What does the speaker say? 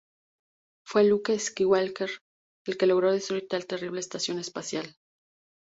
Fue Luke Skywalker el que logró destruir tal terrible estación espacial.